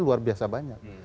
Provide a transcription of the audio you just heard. luar biasa banyak